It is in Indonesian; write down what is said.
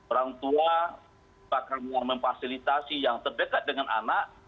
orang tua bakal memfasilitasi yang terdekat dengan anak